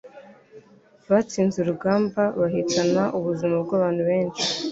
Batsinze urugamba bahitana ubuzima bwabantu benshi